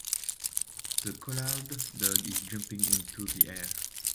The collared dog is jumping into the air.